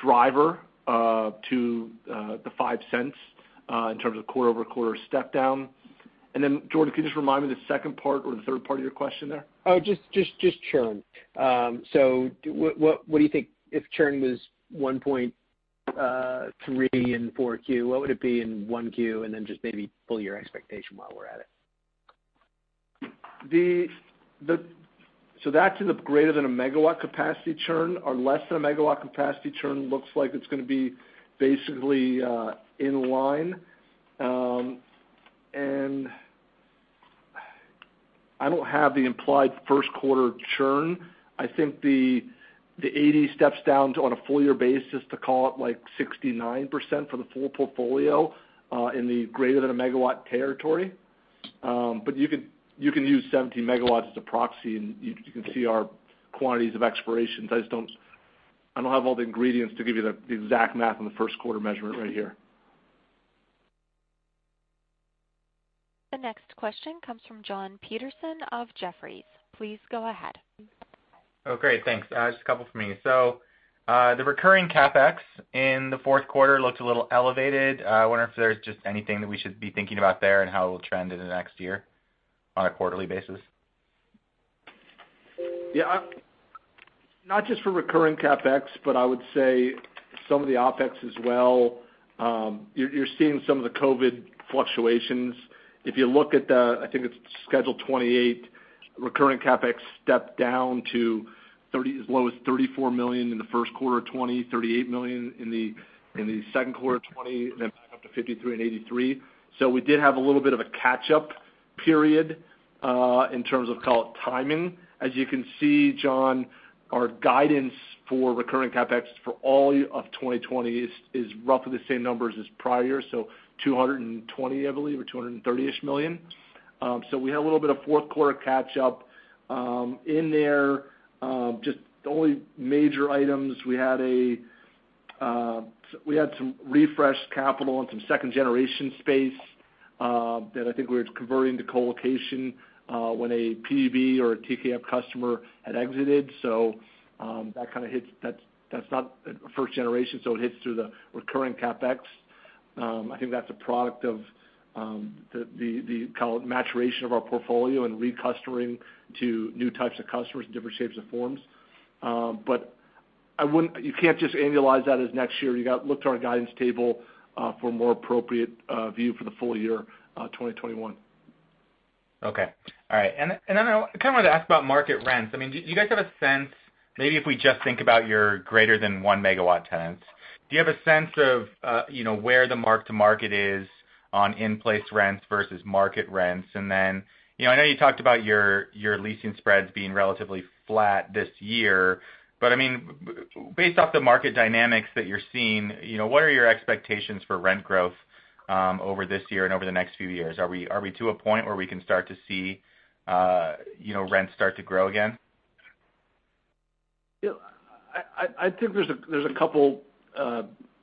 driver to the $0.05 in terms of quarter-over-quarter step down. Jordan, could you just remind me the second part or the third part of your question there? Oh, just churn. What do you think if churn was 1.3 in 4Q? What would it be in 1Q? Just maybe pull your expectation while we're at it. That's in the greater than a megawatt capacity churn. Our less than a megawatt capacity churn looks like it's going to be basically in line. I don't have the implied first quarter churn. I think the 80 steps down on a full year basis to call it like 69% for the full portfolio, in the greater than a megawatt territory. You can use 17 MW as a proxy, and you can see our quantities of expirations. I don't have all the ingredients to give you the exact math on the first quarter measurement right here. The next question comes from Jon Petersen of Jefferies. Please go ahead. Oh, great. Thanks. Just a couple from me. The recurring CapEx in the fourth quarter looked a little elevated. I wonder if there's just anything that we should be thinking about there and how it will trend in the next year on a quarterly basis. Yeah. Not just for recurring CapEx, but I would say some of the OpEx as well. You're seeing some of the COVID fluctuations. If you look at the, I think it's Schedule 28, recurring CapEx stepped down to as low as $34 million in the first quarter of 2020, $38 million in the second quarter of 2020, and then back up to $53 and $83. We did have a little bit of a catch-up period, in terms of, call it timing. As you can see, John, our guidance for recurring CapEx for all of 2020 is roughly the same numbers as prior. $220 million, I believe, or $230-ish million. We had a little bit of fourth quarter catch-up, in there. The only major items, we had some refresh capital and some second-generation space, that I think we were converting to colocation, when a PBB or a TKF customer had exited. That's not first generation, so it hits through the recurring CapEx. I think that's a product of the maturation of our portfolio and re-customering to new types of customers in different shapes and forms. You can't just annualize that as next year. You got to look to our guidance table for a more appropriate view for the full year 2021. Okay. All right. I want to ask about market rents. Do you guys have a sense, maybe if we just think about your greater than one megawatt tenants, do you have a sense of where the mark-to-market is on in-place rents versus market rents? I know you talked about your leasing spreads being relatively flat this year, but based off the market dynamics that you're seeing, what are your expectations for rent growth over this year and over the next few years? Are we to a point where we can start to see rents start to grow again? Yeah. I think there's a couple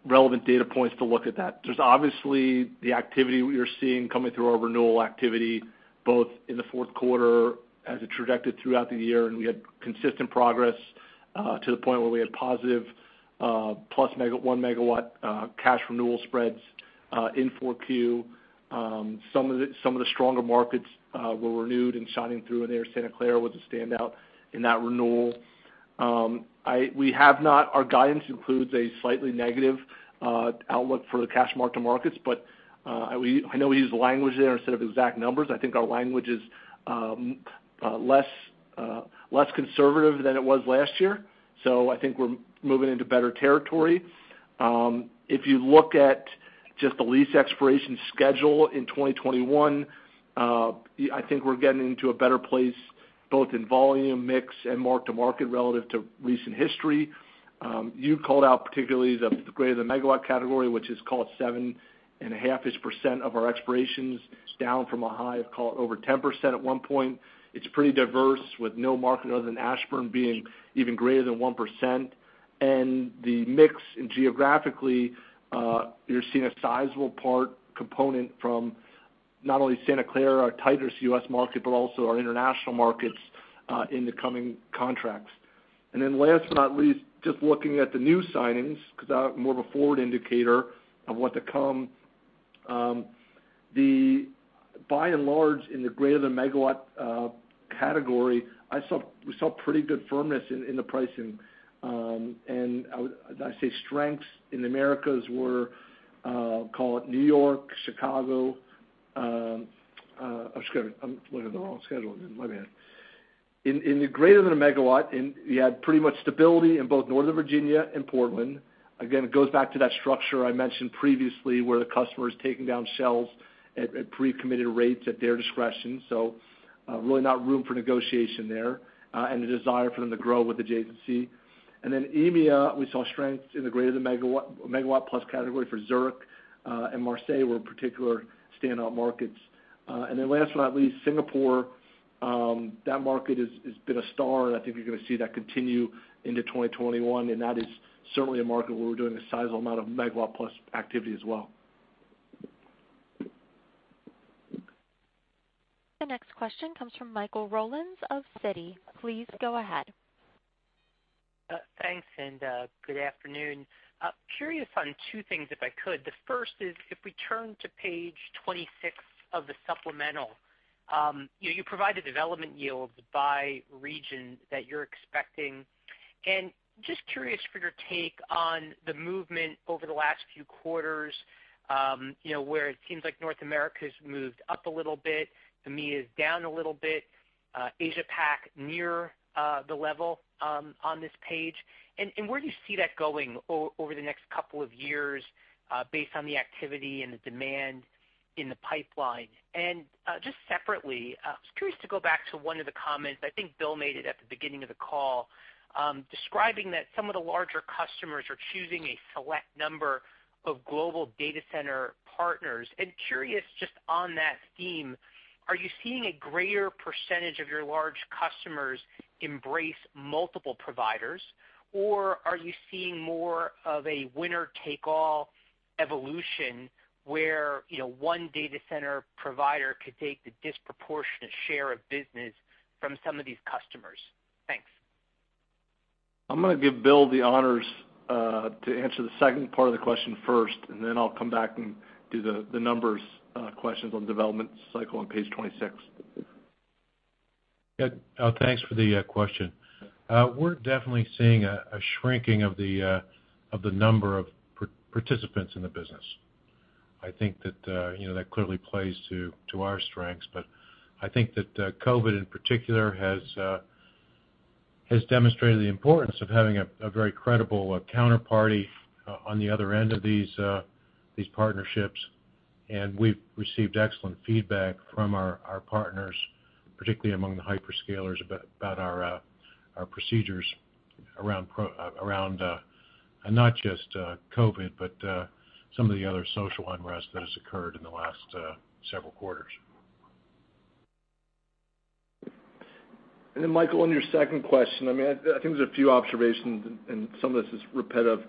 relevant data points to look at that. There's obviously the activity we are seeing coming through our renewal activity, both in the fourth quarter as it trajected throughout the year, and we had consistent progress, to the point where we had positive +1 MW cash renewal spreads in Q4. Some of the stronger markets were renewed and shining through in there. Santa Clara was a standout in that renewal. Our guidance includes a slightly negative outlook for the cash mark-to-market, but I know we use language there instead of exact numbers. I think our language is less conservative than it was last year. I think we're moving into better territory. If you look at just the lease expiration schedule in 2021, I think we're getting into a better place, both in volume mix and mark-to-market relative to recent history. You called out particularly the greater than a megawatt category, which is call it 7.5%-ish of our expirations, down from a high of call it over 10% at one point. It's pretty diverse, with no market other than Ashburn being even greater than 1%. The mix geographically, you're seeing a sizable part component from not only Santa Clara, our tightest US market, but also our international markets, in the coming contracts. Last but not least, just looking at the new signings, because that was more of a forward indicator of what to come. By and large, in the greater than megawatt category, we saw pretty good firmness in the pricing. I say strengths in the Americas were, call it New York, Chicago. I'm looking at the wrong schedule. My bad. In the greater than a megawatt, we had pretty much stability in both Northern Virginia and Portland. Again, it goes back to that structure I mentioned previously, where the customer is taking down shelves at pre-committed rates at their discretion. Really not room for negotiation there, and the desire for them to grow with adjacency. EMEA, we saw strengths in the greater than megawatt plus category for Zurich and Marseilles were particular standout markets. Last but not least, Singapore, that market has been a star, and I think you're going to see that continue into 2021, and that is certainly a market where we're doing a sizable amount of megawatt plus activity as well. The next question comes from Michael Rollins of Citi. Please go ahead. Thanks, good afternoon. Curious on two things, if I could. The first is if we turn to page 26 of the supplemental, you provide the development yields by region that you're expecting. Just curious for your take on the movement over the last few quarters, where it seems like North America's moved up a little bit, EMEA is down a little bit, Asia Pac near the level on this page. Where do you see that going over the next couple of years, based on the activity and the demand in the pipeline? Just separately, I was curious to go back to one of the comments, I think Bill made it at the beginning of the call, describing that some of the larger customers are choosing a select number of global data center partners. Curious just on that theme, are you seeing a greater percentage of your large customers embrace multiple providers, or are you seeing more of a winner-take-all evolution where one data center provider could take the disproportionate share of business from some of these customers? Thanks. I'm going to give Bill the honors to answer the second part of the question first, and then I'll come back and do the numbers questions on development cycle on page 26. Good. Thanks for the question. We're definitely seeing a shrinking of the number of participants in the business. I think that clearly plays to our strengths, but I think that COVID in particular has demonstrated the importance of having a very credible counterparty on the other end of these partnerships, and we've received excellent feedback from our partners, particularly among the hyperscalers, about our procedures around not just COVID, but some of the other social unrest that has occurred in the last several quarters. Michael, on your second question, I think there's a few observations, and some of this is repetitive.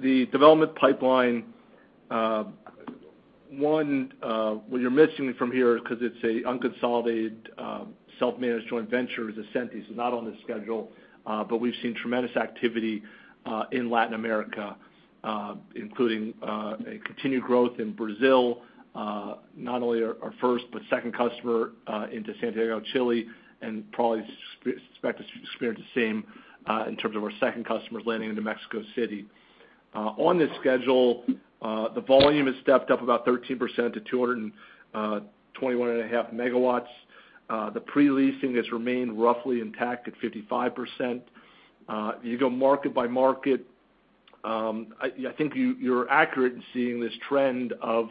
The development pipeline. One, what you're missing from here, because it's an unconsolidated self-managed joint venture, is Ascenty is not on the schedule, but we've seen tremendous activity in Latin America, including a continued growth in Brazil. Not only our first but second customer into Santiago, Chile, and probably expect to experience the same in terms of our second customers landing into Mexico City. On this schedule, the volume has stepped up about 13% to 221.5 MW. The pre-leasing has remained roughly intact at 55%. You go market by market, I think you're accurate in seeing this trend of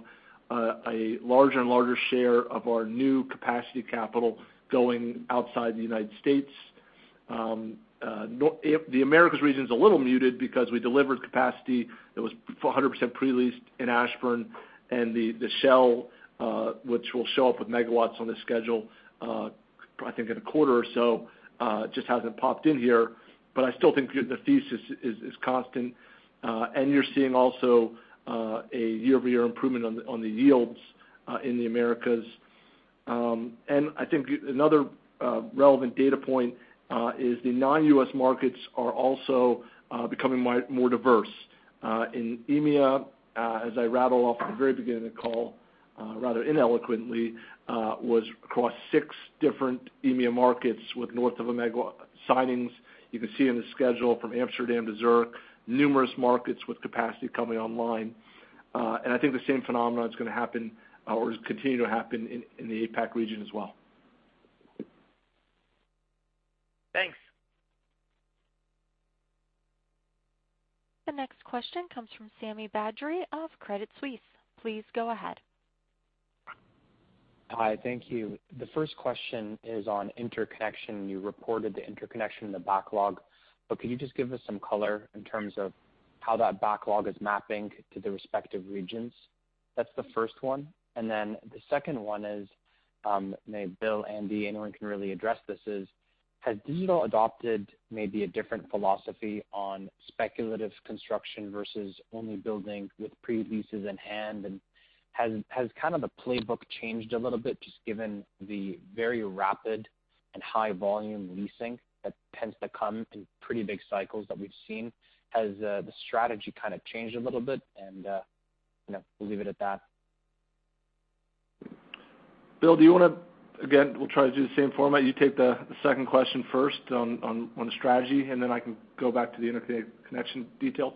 a larger and larger share of our new capacity capital going outside the U.S. The Americas region's a little muted because we delivered capacity that was 100% pre-leased in Ashburn, and the shell which will show up with megawatts on the schedule, I think in a quarter or so, just hasn't popped in here. I still think the thesis is constant. You're seeing also a year-over-year improvement on the yields in the Americas. I think another relevant data point is the non-U.S. markets are also becoming more diverse. In EMEA, as I rattled off at the very beginning of the call, rather ineloquently, was across six different EMEA markets with north of a megawatt signings. You can see in the schedule from Amsterdam to Zurich, numerous markets with capacity coming online. I think the same phenomenon is going to happen, or continue to happen in the APAC region as well. Thanks. The next question comes from Sami Badri of Credit Suisse. Please go ahead. Hi, thank you. The first question is on interconnection. You reported the interconnection, the backlog. Could you just give us some color in terms of how that backlog is mapping to the respective regions? That's the first one. The second one is, maybe Bill, Andy, anyone can really address this is, has Digital adopted maybe a different philosophy on speculative construction versus only building with pre-leases in hand? Has the playbook changed a little bit, just given the very rapid and high volume leasing that tends to come in pretty big cycles that we've seen? Has the strategy changed a little bit? I'll leave it at that. Bill, do you want to, again, we'll try to do the same format. You take the second question first on the strategy, and then I can go back to the interconnection details.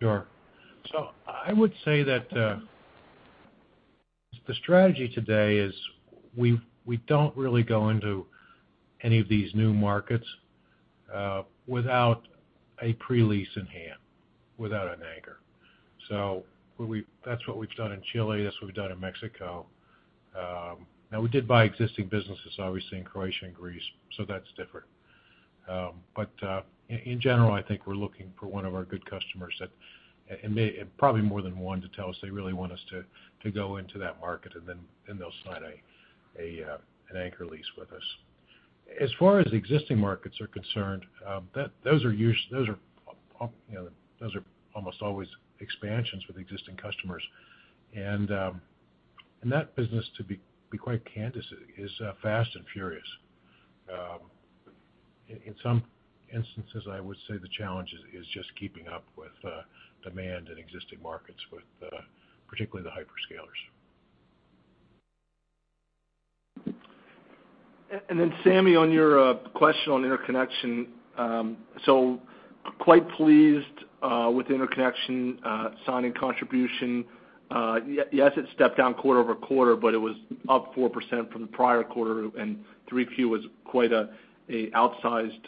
Sure. I would say that the strategy today is we don't really go into any of these new markets without a pre-lease in hand, without an anchor. That's what we've done in Chile, that's what we've done in Mexico. We did buy existing businesses, obviously, in Croatia and Greece, so that's different. In general, I think we're looking for one of our good customers, and probably more than one, to tell us they really want us to go into that market, and then they'll sign an anchor lease with us. As far as existing markets are concerned, those are almost always expansions with existing customers. That business, to be quite candid, is fast and furious. In some instances, I would say the challenge is just keeping up with demand in existing markets with particularly the hyperscalers. Sami, on your question on interconnection. Quite pleased with interconnection signing contribution. Yes, it stepped down quarter-over-quarter, but it was up 4% from the prior quarter, and 3Q was quite a outsized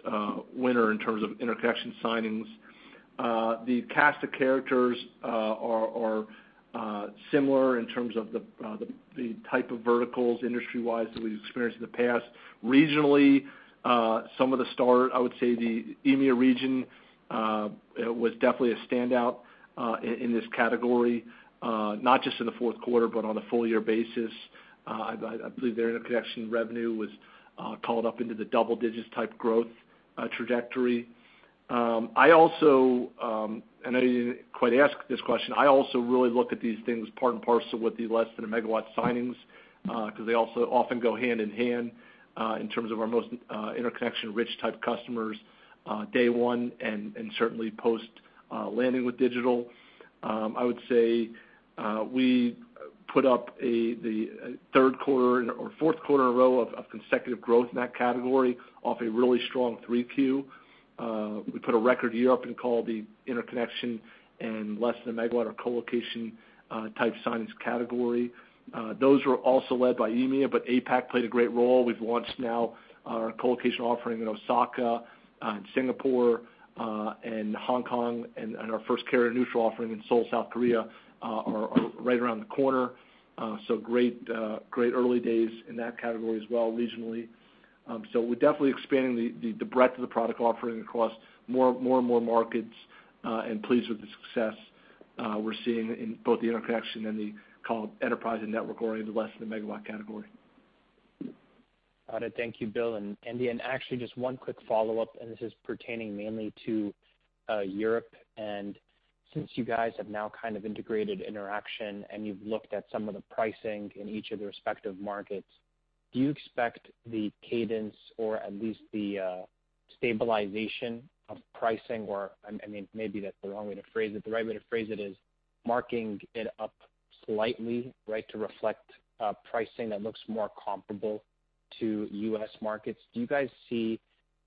winner in terms of interconnection signings. The cast of characters are similar in terms of the type of verticals industry-wise that we've experienced in the past. Regionally, some of the star, I would say the EMEA region, was definitely a standout in this category, not just in the fourth quarter, but on a full-year basis. I believe their interconnection revenue was called up into the double digits type growth trajectory. I also, I know you didn't quite ask this question, I also really look at these things part and parcel with the less than a megawatt signings, because they also often go hand-in-hand, in terms of our most interconnection-rich type customers day one and certainly post-landing with Digital Realty. I would say we put up the third quarter or fourth quarter in a row of consecutive growth in that category, off a really strong 3Q. We put a record year up in call the interconnection and less than a megawatt or colocation type signings category. Those were also led by EMEA, APAC played a great role. We've launched now our colocation offering in Osaka, Singapore, and Hong Kong, and our first carrier-neutral offering in Seoul, South Korea, are right around the corner. Great early days in that category as well regionally. We're definitely expanding the breadth of the product offering across more and more markets, and pleased with the success we're seeing in both the interconnection and the call it enterprise and network-oriented less than a megawatt category. Got it. Thank you, Bill and Andy. Actually, just one quick follow-up, and this is pertaining mainly to Europe. Since you guys have now kind of integrated Interxion and you've looked at some of the pricing in each of the respective markets, do you expect the cadence or at least the stabilization of pricing, or maybe that's the wrong way to phrase it. The right way to phrase it is marking it up slightly to reflect pricing that looks more comparable to U.S. markets. Do you guys see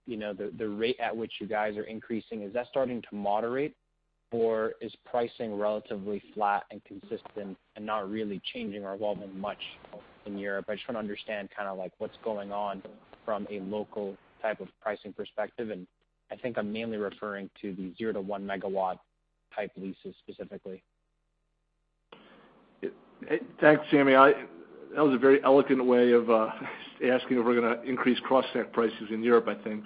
the rate at which you guys are increasing, is that starting to moderate, or is pricing relatively flat and consistent and not really changing or evolving much in Europe? I just want to understand what's going on from a local type of pricing perspective, and I think I'm mainly referring to the 0 to 1 MW type leases specifically. Thanks, Sami. That was a very eloquent way of asking if we're going to increase cross-connect prices in Europe, I think.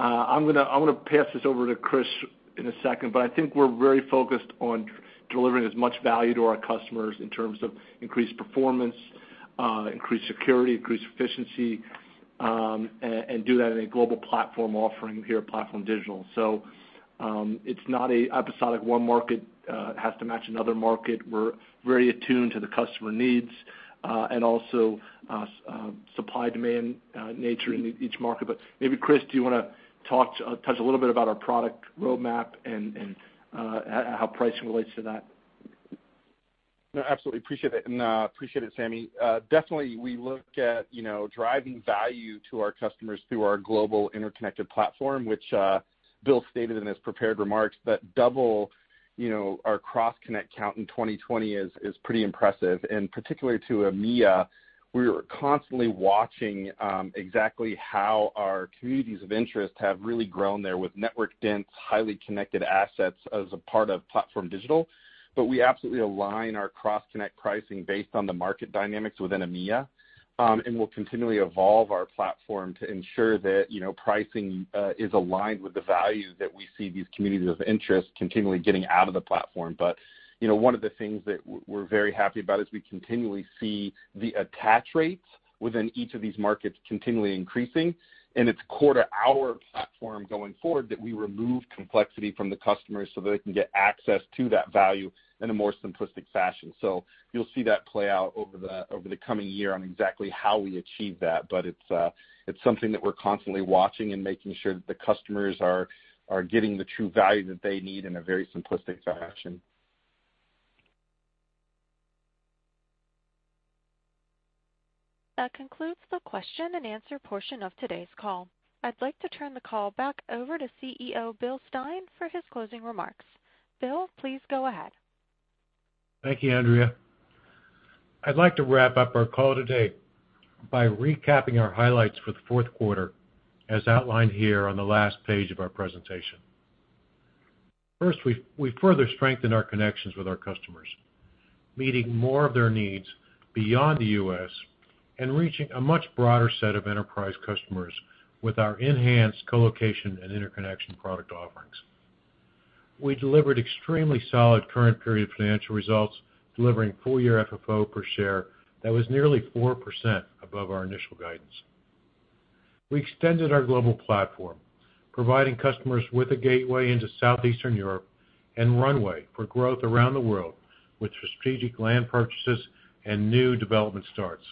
I'm going to pass this over to Chris in a second, but I think we're very focused on delivering as much value to our customers in terms of increased performance, increased security, increased efficiency, and do that in a global platform offering here at PlatformDIGITAL. It's not a episodic one market has to match another market. We're very attuned to the customer needs, and also supply-demand nature in each market. Maybe, Chris, do you want to touch a little bit about our product roadmap and how pricing relates to that? No, absolutely. Appreciate it, Sami. We look at driving value to our customers through our global interconnected platform, which Bill stated in his prepared remarks that double our cross-connect count in 2020 is pretty impressive. Particularly to EMEA, we're constantly watching exactly how our communities of interest have really grown there with network dense, highly connected assets as a part of PlatformDIGITAL. We absolutely align our cross-connect pricing based on the market dynamics within EMEA, and we'll continually evolve our platform to ensure that pricing is aligned with the value that we see these communities of interest continually getting out of the platform. One of the things that we're very happy about is we continually see the attach rates within each of these markets continually increasing, and it's core to our platform going forward that we remove complexity from the customers so they can get access to that value in a more simplistic fashion. You'll see that play out over the coming year on exactly how we achieve that. It's something that we're constantly watching and making sure that the customers are getting the true value that they need in a very simplistic fashion. That concludes the question and answer portion of today's call. I'd like to turn the call back over to CEO Bill Stein for his closing remarks. Bill, please go ahead. Thank you, Andrea. I'd like to wrap up our call today by recapping our highlights for the fourth quarter, as outlined here on the last page of our presentation. First, we further strengthened our connections with our customers, meeting more of their needs beyond the U.S. and reaching a much broader set of enterprise customers with our enhanced colocation and interconnection product offerings. We delivered extremely solid current period financial results, delivering full year FFO per share that was nearly 4% above our initial guidance. We extended our global platform, providing customers with a gateway into Southeastern Europe and runway for growth around the world with strategic land purchases and new development starts.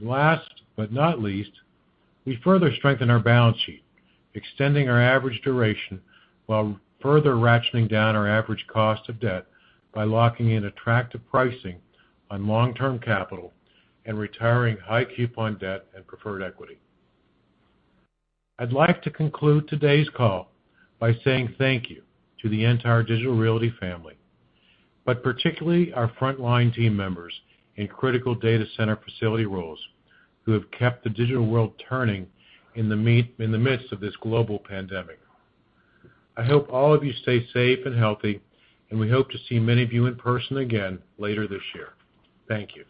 Last but not least, we further strengthened our balance sheet, extending our average duration while further ratcheting down our average cost of debt by locking in attractive pricing on long-term capital and retiring high coupon debt and preferred equity. I'd like to conclude today's call by saying thank you to the entire Digital Realty family, but particularly our frontline team members in critical data center facility roles who have kept the digital world turning in the midst of this global pandemic. I hope all of you stay safe and healthy. We hope to see many of you in person again later this year. Thank you.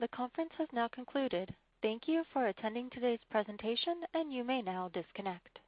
The conference has now concluded. Thank you for attending today's presentation, and you may now disconnect.